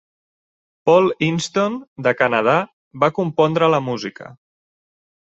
Paul Intson, de Canadà, va compondre la música.